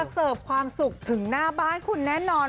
เสิร์ฟความสุขถึงหน้าบ้านคุณแน่นอน